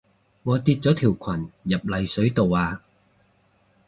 我跌咗條裙入泥水度啊